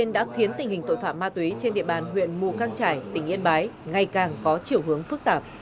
đã khiến tình hình tội phạm ma túy trên địa bàn huyện mù căng trải tỉnh yên bái ngày càng có chiều hướng phức tạp